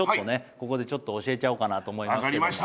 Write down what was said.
ここでちょっと教えちゃおうかなと思います